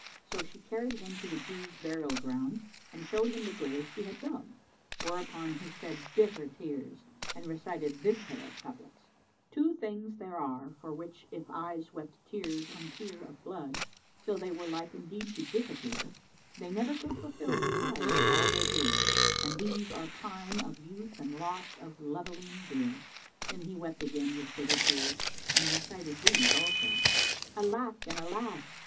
So she carried him to the Jews' burial ground and showed him the grave she had dug; whereupon he shed bitter tears and recited this pair of couplets,[FN#374] "Two things there are, for which if eyes wept tear on tear * Of blood, till they were like indeed to disappear, They never could fulfil the Tithe of all their due: * And these are prime of youth and loss of loveling dear." Then he wept again with bitter tears and recited these also, "Alack and Alas!